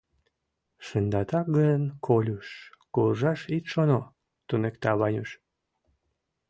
— Шындатак гын, Колюш, куржаш ит шоно, — туныкта Ванюш.